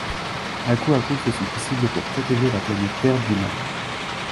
Aku Aku fait son possible pour protéger la Planète Terre du Mal.